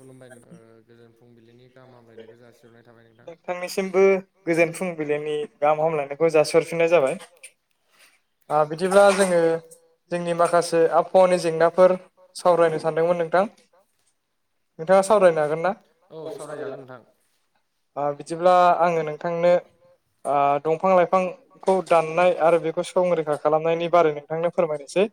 खुलुमबाय नोंथां ओ गोजोन फुंबिलिनि गाहाम हामलायनायखौ जासिहरनाय थाबाय नोंथां। आंबो गोजोन फुंबिलिनि गाहाम हामलायनायखौ जासिहरफिननाय जाबाय। आ बिदिब्ला जोङो जोंनि माखासे आबहावानि जेंनाफोर सावरायनो सानदोंमोन नोंथां। नोंथाङा सावरायनो हागोन ना? औ सावरायजागोन नोंथां ओ बिदिब्ला आङो नोंथांनो आ दंफां लाइफांखौ दाननाय आरो बेखौ संरैखा खालामनायनि बारै नोंथांनो फोरमायनोसै।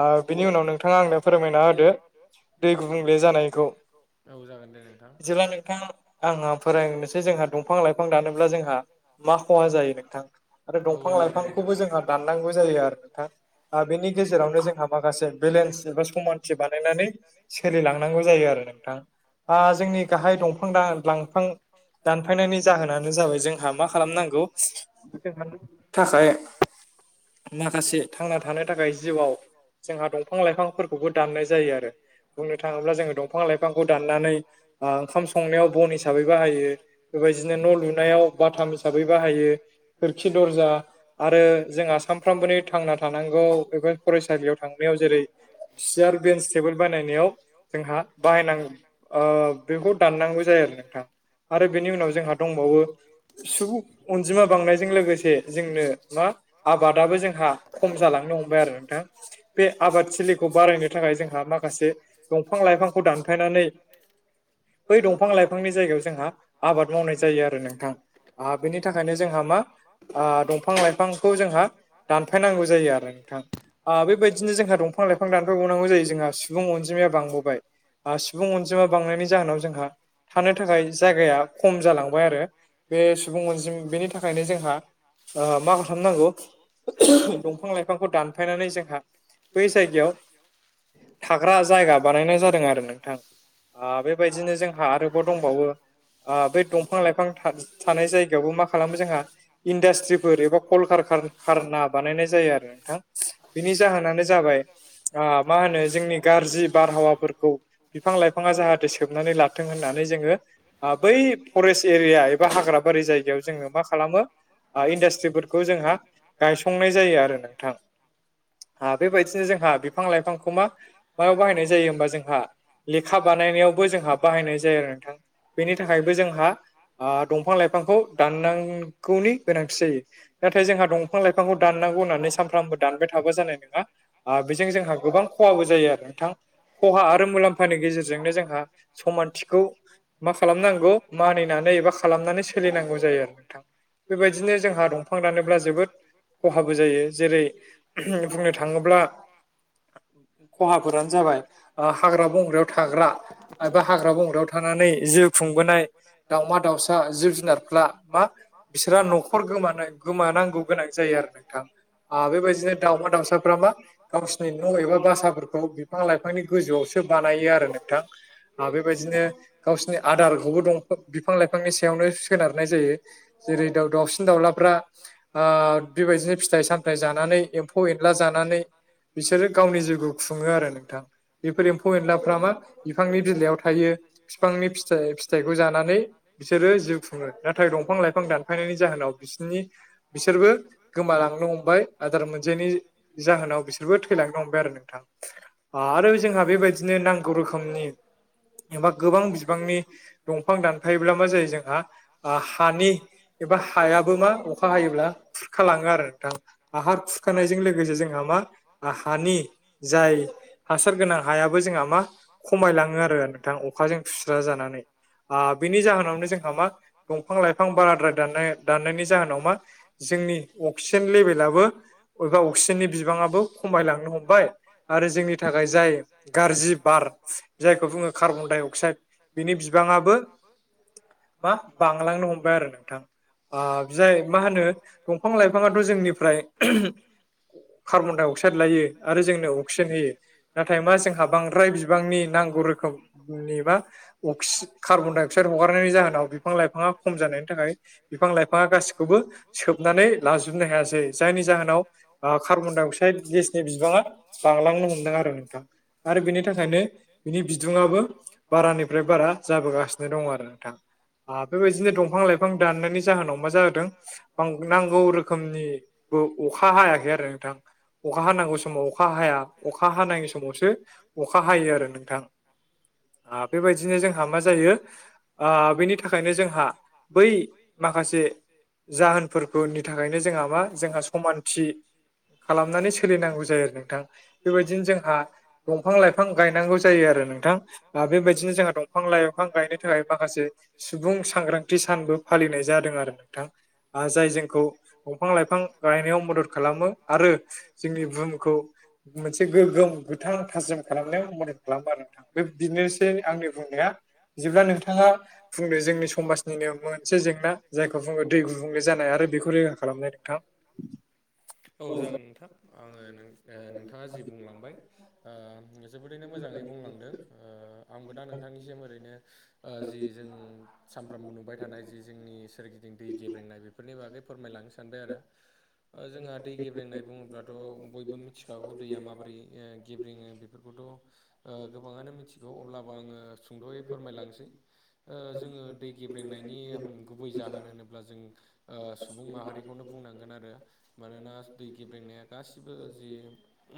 आ बिनि उनाव नोंथाङा आंनो फोरमायना होदो दै गुबुंले जानायखौ औ औ जागोन दे नोंथां। जेब्ला नोंथां आंहा फोरमायनोसै जोंहा दंफां लाइफां दानोब्ला जोंहा मा खहा जायो नोंथां आरो औ दंफां जागोन दे नोंथां लाइफांखौबो जोंहा दाननांगौ जायो आरो नोंथां। दा बेनि गेजेरावनो जोंहा माखासे बेलेन्स एबा समानथि बानायनानै सोलिलांनांगौ जायो आरो नों थां लाइफां [unintelligible] दानफायनायनि जाहोनानो जाबाय जोंहा मा खालामनांगौ जोंहानि थाखाय माखासे थांना थानो थाखाय जिउआव जोंहा दंफां लाइफांफोरखौबो दान्नाय जायो आरो बुंनो थाङोब्ला जोङो दंफां लाइफां खौ दाननानै ओंखाम संनायाव बन हिसाबै बाहायो बेबायदिनो न' लुनायाव बाथाम हिसाबै बाहायो खोरखि दरजा आरो जोंहा सानफ्रामबोनि थांना थानांगौ बेब फरायसालियाव थांनायाव जेरै सियार बेन्स टेबोल बानायनायाव जोंहा बाहायनांगौ बेखौ दाननांगौ जायो आरो नोंथां। आरो बेनि उनाव जोंहा दंबावो सुबुं अनजिमा बांनायजों लोगोसे जोंनो मा आबादाबो जोंहा खम जालांनो हमबाय आरो नोंथां बे आबाद थिलिखौ बारायनो थाखाय जोंहा मा खासे दंफां लाइफांखौ दानफायनानै बै दंफां लाइफांनि जायगायाव जोंहा आबाद मावनाय जायो आरो नोंथां। ओ बेनि थाखायनो जोंहा मा आ दंफां लाइफांखौ जोंहा दानफायनांगौ जायो आरो नोंथां। बेबायदिनो जोंहा दंफां लाइफां दानफबावनांगौ जायो जोंहा सुबुं अनजिमाया बांबोबाय आ सुबुं अनजिमा बांनायनि जाहोनाव जोंहा थानो थाखाय जायगाया खम जालांबाय आरो बे सुबुं अनजिम बेनि थाखायनो जोंहा ओ मा खालामनांगौ दंफां लाइफांखौ दानफायनानै जोंहा बै जायगायाव थाग्रा जायगा बानायनाय [unintelligible] जादों आरो नोंथां बेबायदिनो जोंहा आरोबाव दंबावो बे दंफां लाइफां थानाय जायगायावबो मा खालामो जोंहा इन्डास्ट्रिफोर एबा कल खारना बानायनाय जायो आरो नोंथां बिनि जाहोनानो जाबाय ओ मा होनो जोंनि गाज्रि बारहावाफोरखौ बिफां लाइफाङा जाहाथे सोबनानै लाथों होननानै जोङो बै फरेस्ट एरिया एबा हाग्र बारि जाय गायाव जोङो मा खालामो इन्डास्ट्रिफोरखौ जोंहा गायसंनाय जायो आरो नोंथां। बेबायदिनो जोंहा बिफां लाइफांखौ मा मायाव बाहायनाय जायो होमबा जोंहा लेखा बानायनायावबो जोंहा बाहायनाय जायो आरो नोंथां बेनि थाखायबो जोंहा ओ दंफां लाइफांखौ दाननांगौनि गोनांथि जायो नाथाय जोंहा दं बिफां लाइफांखौ दाननांगौ होननानै सानफ्रामबो दानबाय थाबा जानाय नङा बेजों जोंहा गोबां खहाबो जायो आरो नोंथां‌। खहा आरो मुलाम्फानि गेजेरजोंनो जोंहा समानथिखौ मा खालामनांगौ मानिनानै एबा खालामनानै सोलिनांगौ जायो आरो नोंथां। बेबायदिनो जोंहा दंफां दानोब्ला जोबोद खहाबो जायो जेरै बुंनो थाङोब्ला खहाफोरानो जाबाय हाग्रा बंग्रायाव थाग्रा एबा हाग्रा बंग्रायाव थानानै जिउ खुंबोनाय दावमा दाउसा जिब जुनारफ मा बिसोरहा न'खर गोमानो गोमानांगौ गोनां जायो आरो नोंथां। बेबायदिनो दाउमा दाउसाफोरा मा गावसिनि न' एबा बासाफोरखौ बिफां लाइफांनि गोजौआव सो बानायो आरो नोंथां। आरो बेबायदिनो गावसिनि आदारखौबो दंफां बिफां लाइफांनि सायावनो सोनारनाय जायो। जेरै दा दावसिन दाउलाफ्रा बेबायदिनो फिथाइ सामथाय जानानै एम्फौ एनला जानानै बिसोरो गावनि जिउखौ खुङो आरो नोंथां। बेफोर एम्फौ एनलाफ्रा मा बिफांनि बिलाइयाव थायो। बिफांनि फिथ फिथाइखौ जानानै बिसोरो जिउ खुङो। नाथाय दंफां लाइफां दानफायनायनि जाहोनाव बिसिनि बिसोरबो गोमालांनो हमबाय आदार मोनजायनि जाहोनाव बिसोरबो थैलांनो हमबाय आरो नोंथां आरो जोंहा बेबायदिनो नांगौ रोखोमनि एबा गोबां बिबांनि दंफां दानफायोब्ला मा जायो जोंहा ओ हानि एबा हायाबो मा अखा हायोब्ला खुरखालाङो आरो नोंथां दा हा खुरखानायजों लोगोसे जोंहा मा आ हानि जाय हासार गोनां हायाबो जोंहा मा खमायलाङो आरो नोंथां अखाजों सुस्रा जानानै। बिनि जाहोनावनो जोंहा मा दंफां लाइफां बाराद्राय दाननाय दाननायनि जाहोनाव मा जोंनि अक्सिजेन लेभेलाबो बबेबा अक्सिजेननि बिबाङाबो खमायलांनो हमबाय आरो जोंनि नि थाखाय जाय गाज्रि बार जायखौ बुङो कार्बन डाइ अक्साइड बिनि बिबाङाबो मा बांलांनो हमबाय आरो नोंथां। जाय मा होनो दंफां लाइफाङाथ' जोंनिफ्राय कार्बन डाइ अक्साइद लायो आरो जोंनो अक्सिजेन होयो। नाथाय मा जोंहा बांद्राय बिबांनि नांगौ रोखोमनि मा अक्सि कार्बन डाइ अक्साइड हगारनायनि जाहोनाव बिफां लाइफाङा खम जानायनि थाखाय बिफां लाइफाङा गासिखौबो सोबनानै लाजोबनो हायासै जायनि जाहोनाव कार्बन डाइ अक्साइड गेसनि बिबाङा बांलांनो मोन्दों आरो नों थां आरो बेनि थाखायनो बिनि बिदुंआबो बारानिफ्राय बारा जाबोगासिनो दं आरो नोंथां। बेबायदिनो दंफां लाइफां दाननायनि जाहोनाव मा जादों नांगौ रोखोमनि अखा हायाखै आरो नोंथां अखा हानांगौ समाव अखा हाया अख खा हानांयै समावसो अखा हायो आरो नोंथां। आ बेबायदिनो जोंहा मा जायो बेनि थाखायनो जोंहा बै माखासे जाहोनफोरनि थाखायनो जोंहा मा जोंहा समानथि खालामनानै सोलिनांगौ जायो आरो नोंथां बेबायदिनो जोंहा दंफां लाइफां गायनांगौ जायो आरो नोंथां। आ बेबायदिनो जोंहा दंफां लाइफां गायनो थाखाय माखासे सुबुं सांग्रांथि सानबो फालिनाय जादों आरो नोंथां। जाय जोंखौ दंफां लाइफां गायनायाव मदद खालामो आरो जोंनि बुहुमखौ मोनसे गोगोम गोथां थाज्रिम खालामनायाव मदद खालामो आरो नोंथां। बे बिदिनोसै आंनि बुंनाया जेब्ला नोंथाङा बुंनो जोंनि समाजनिनो मोनसे जेंना जायखौ बुङो दै गुबुंले जानाय आरो बेखौ रैखा खालामनाय नोंथां। [unintelligible] औ जागोन नोंथां आङो नों ओ नोंथाङा जि बुंलांबाय आ जोबोरैनो मोजाङै बुंलांदों ओ आंबो दा नोंथांनिसिम ओरैनो ओ जि जों सानफ्रोमबो नुबाय थानाय जि जोंनि सोरगिदिं दै गेब्रेंनाय बेफोर बेफोरनि बागै फोरमायलांनो सानबाय आरो जोंहा दै गेबेंनाय बुङोब्ला बाथ' बयबो मिथिखागौ दैया माबोरै गेब्रेङो बेफोरखौथ' ओ गोबाङानो मिथिगौ अब्लाबो आङो सुंद'यै फोरमायलांनोसै। ओ जोङो दै गेब्रेंनायनि गुबै जाहोन होनोब्ला जों ओ सुबुं माहारिखौनो बुंनांगोन आरो मानोना दै गेब्रेंनाया गासिबो जि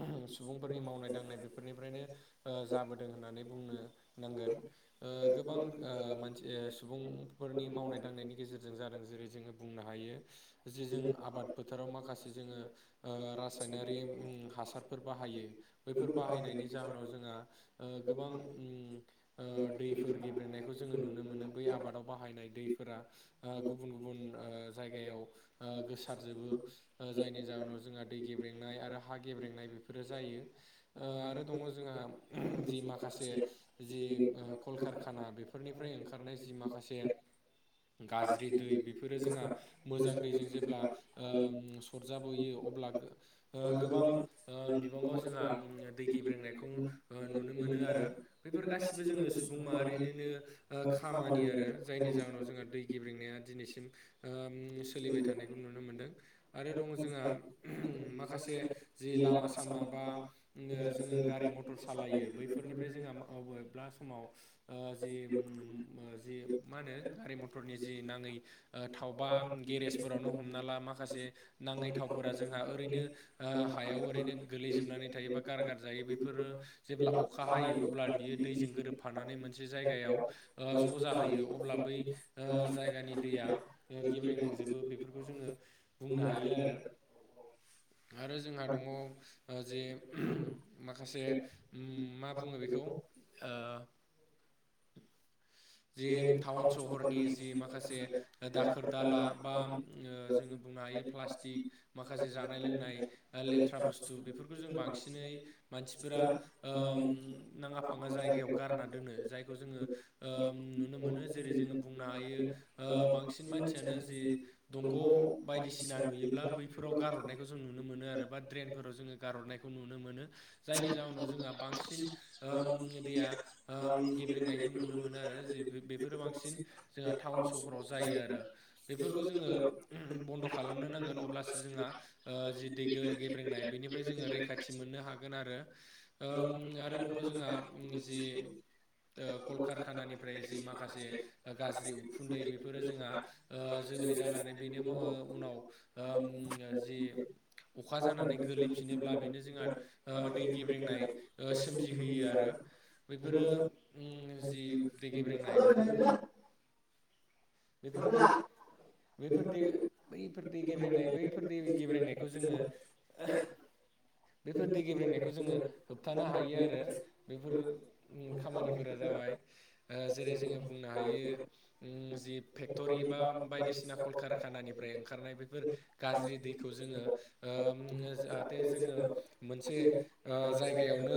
ओह सुबुंफोरनि मावनाय दांनाय बेफोरनिफ्रायनो ओ जाबोदों होननानै बुंनो नांगोन ओ गोबां ओ मानसि ओ सुबुं फोरनि मावनाय दांनायनि गेजेरजों जादों जेरै जोङो बुंनो हायो जे जों आबाद फोथाराव फोराव माखासे जोङो ओ रासायनारि ओम हासारफोर बाहायो बैफोर बाहायनायनि जाहोनाव जोंहा ओ गोबां ओम ओ दैफोर गेब्रेंनायखौ जोङो नुनो मोनो बै आबादाव बाहायनाय दैफोरा ओ गुबुन गुबुन ओ जायगायाव ओ गोसारजोबो ओ जायनि जाहोनाव जोंहा दै गेब्रेंनाय आरो हा गेब्रेंनाय बेफोरो जायो। ओ आरो दङ जोंहा ओहम जि माखासे जि ओ कलकारखाना बेफोरनिफ्राय ओंखारनाय जि माखासे गाज्रि दै बेफोरो जोंहा मोजां दैजों जेब्ला ओ ओम सरजाबोयो अब्ला गो ओ गोबां ओ बिबाङाव उम जोंहा दै गेब्रेंनायखौ ओ नुनो मोनो आरो। बैफोर गासिबो जोङो सुबुं माहारिनिनो ओ खामानि आरो जायनि जाहोनाव जोंहा दै गिब्रंनाया दिनैसिम ओम सोलिबाय थानायखौ नुनो मोनदों। आरो दं जोंहा माखासे जि लामा सामा बा जोङो गारि मटर सालायो बैफोरनिफ्राय जोंहा बबेब्ला समाव ओ जि जि ममम मा होनो गारि मथरनि जि नाङै थावबा गेरेजफोरावनो हमना ला माखासे नाङै थावफोरा जोंहा ओरैनो ओ हायाव ओरैनो गोगलैजोबनानै थायो बा गारगार जायो बेफोरो जेब्ला अखा हायो अब्ला बियो दैजों गोरोबफानानै मोनसे जायगायाव ओ ज' जाहोयो अब्ला बै ओ जायगानि दैया गेब्रें जोबो बेफोरखौ जोङो बुंनो हायो आरो [unintelligible] आरो जोंहा दङ जे ओहम माखासे उम मा बुङो बेखौ ओ जि टाउन सहरनि जि माखासे दाखोर दाला बा ओ जोङो बुंनो हायो प्लास्टिक माखासे जानाय लोंनाय लेथ्रा बुस्थु बेफोरखौ जों बांसिनै मानसिफोरा ओ ओम नाङा फाङा जायगायाव गारना दोनो जायखौ जोङो ओ उम मोनो जेरै जोङो बुंनो हायो ओ बांसिन मानसियानो जि दंग' बायदिसिना नुयोब्ला बै फोराव गारहरनायखौ जों नुनो मोनो आरो बा ड्रेनफोराव जोङो गारहरनायखौ नुनो मोनो। जायनि जाहोनाव जोंहा बांसिन [unintelligible] दैया [unintelligible] गेब्रेंनायखौ नुनो मोनो। आरो बेफोरो बांसिन जोंहा टाउन सहराव जायो आरो। बेफोरखौ जोङो बन्द' खालामनो नांगोन अब्लासो जोंहा ओ जि दै गेब्रेंनाय बेनिफ्राय जोङो रैखाथि मोननो हा [unintelligible] खानानिफ्राय जि माखासे गाज्रि उखुन्दै बेफोरो जोंहा ओ जोमै जानानै बेनि उनाव [unintelligible] जि अखा जानानै गोलैफिनोब्ला बेनो जोंहा ओ दै गेब्रेनाय ओ सोमजिहोयो आरो बेफोरो [unintelligible] जि दै गेब्रेंनाय बेफोरखौ बेफोरखौ बैफोर दै बैफोर दै गेब्रेंनाय बैफोर दै गेब्रेंनायखौ जोङो बेफोर दै गेब्रेंनायखौ जोङो होबथानो हायो आरो। बेफोर खामानिफोरा जाबाय ओ जेरै जोङो बुंनो हायो [unintelligible] फेक्ट'रि बा बायदिसिना कलकारखानानिफ्राय ओंखारनाय बेफोर गाज्रि दैखौ जोङो [unintelligible] जाहाथे जोङो मोनसे ओ जायगायावनो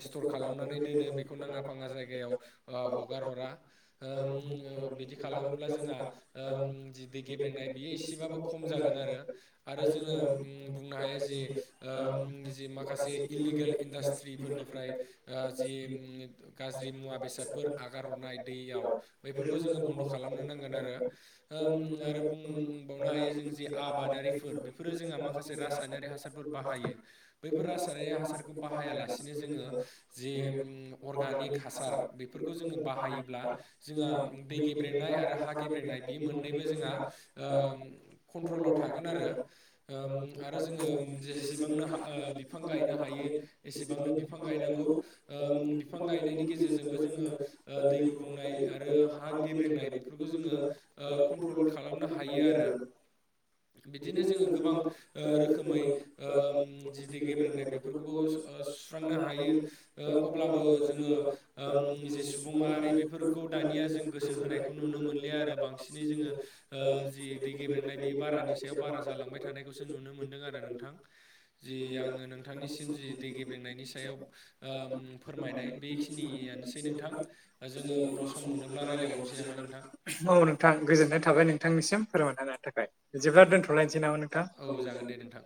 [unintelligible] टर खालामनानै दोनो बेखौ नाङा फाङा जायगायाव। ओ हगार हरा [unintelligible] बिदि खालामोब्ला जोंहा [unintelligible] जि दै गेब्रेंनाय बियो एसेबाबो खम जागोन आरो। आरो जोङो [unintelligible] बुंनो हायो जे [unintelligible] जि माखासे इलिगेल इन्डास्ट्रिफोरनिफ्राय ओ जि [unintelligible] गाज्रि मुवा बेसादफोर आगार हरनाय दैयाव। बैफोरखौ जोङो बन्द' खालामनो नांगोन आरो। [unintelligible] आरो बुंबावनो हायो जों जे आबादारिफोर बेफोरो जोंहा माखासे रासायनारि हासारफोर। बाहायो बैफोर रासायनारि हासारखौ बाहायालासिनो जोङो [unintelligible] अर्गानिक हासार बेफोरखौ जोङो बाहायोब्ला जोंहा दै गेब्रेनाय आरो हा गेब्रेंनाय बि मोननैबो जोंहा ओ कन्ट्रलाव थागोन आरो। [unintelligible] आरो जोङो जेसेबांनो [unintelligible] बिफां गायनो हायो एसेबांनो बिफां गायनांगौ। [unintelligible] बिफां गायनायनि गेजेरजोंबो जोङो ओ दै गुबुंनाय आरो हा गेब्रेंनाय खौ जोङो ओ कन्ट्रल खालामनो हायो आरो। बिदिनो जोङो गोबां ओ रोखोमै ओ जिदि गेब्रेंनाय बे बेफोरखौबो ओ सुस्रांनो हायो ओ अब्लाबो जोङो ओम जे सुबुं माहारि बेफोरखौ दानिया जों गोसो हो खौ नुनो मोनलिया आरो बांसिनै जोङो ओ जि दै गेब्रेंनाय बे बारानि सायाव बारा जालांबाय। थानायखौसो नुनो मोनदों आरो नोंथां। जि आङो नोंथांनिसिम जि दै गेब्रेंनायनि सायाव ओ फोरमायनाय बे निआनोसै नोंथां जोङो उनाव सम मोनोब्ला रायलायबावनोसै नामा नोंथां औ नोंथां गोजोननाय थाबाय नोंथांनिसिम फोरमायना होनायनि थाखाय। [unintelligible] दोनथ'लायनोसै नामा औ नोंथां। जागोन दे नोंथां